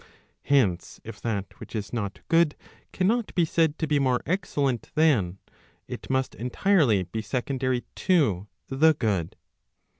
Hence, if that which is not good cannot be said to be more excellent than, it must entirely be secondary to the good.